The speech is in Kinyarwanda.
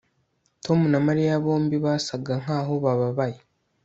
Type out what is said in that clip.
Tom na Mariya bombi basaga nkaho bababaye